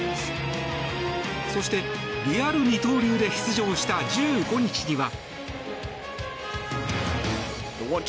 そして、リアル二刀流で出場した１５日には。